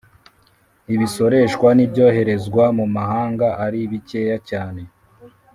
ibisoreshwa n'ibyoherezwa mu mahanga ari bikeya cyane,